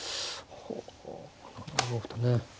ほう７五歩とね。